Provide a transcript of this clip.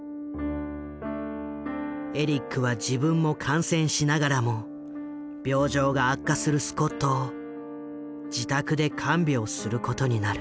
エリックは自分も感染しながらも病状が悪化するスコットを自宅で看病することになる。